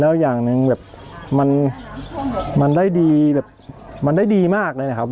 แล้วอย่างหนึ่งแบบมันได้ดีแบบมันได้ดีมากเลยนะครับ